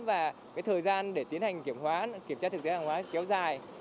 và thời gian để tiến hành kiểm soát thực tế hàng hóa kéo dài